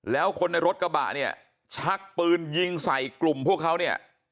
แล้วคนในรถกระบะเนี่ยชักปืนยิงใส่กลุ่มพวกเขาเนี่ย